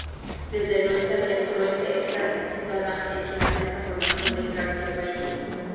Desde el oeste hacia el suroeste, está situada la gigantesca formación del cráter Bailly.